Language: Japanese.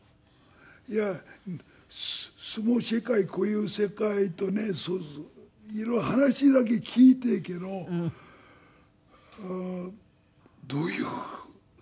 いや相撲の世界こういう世界とね色々話だけ聞いているけどどういう社会かな？